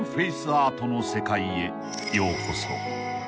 アートの世界へようこそ］